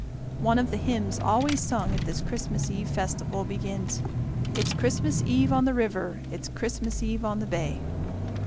One of the hymns always sung at this Christmas eve festival begins, "It's Christmas eve on the river, it's Christmas eve on the bay."